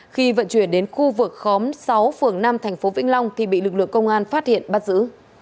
khi vận chuyển đến khu vực khóm sáu phường năm thành phố vĩnh long thì bị lực lượng công an phát hiện bắt giữ